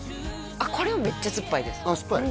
これはめっちゃ酸っぱいです酸っぱい？